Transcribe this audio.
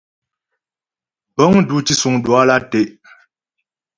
Bəŋ dù tǐsuŋ Duala tɛ'.